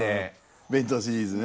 弁当シリーズね。